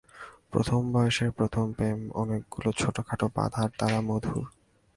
প্রথম বয়সের প্রথম প্রেম অনেকগুলি ছোটোখাটো বাধার দ্বারা মধুর।